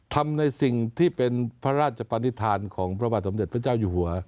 ทำในสิ่งที่เป็นพระราชปนิษฐานของพระบาทสมเด็จพระเจ้าอยู่หัว